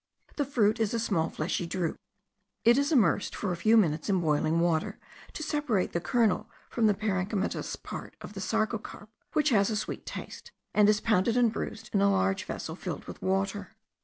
The fruit is a small fleshy drupe. It is immersed for a few minutes in boiling water, to separate the kernel from the parenchymatous part of the sarcocarp, which has a sweet taste, and is pounded and bruised in a large vessel filled with water.